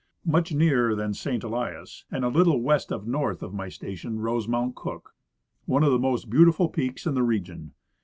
Much nearer than St. Elias, and a little west of north of my station, rose Mount Cook, one of the most beautiful peaks in the region.